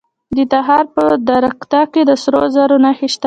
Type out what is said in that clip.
د تخار په درقد کې د سرو زرو نښې شته.